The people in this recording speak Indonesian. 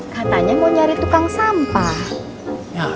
katanya mau nyari tukang sampah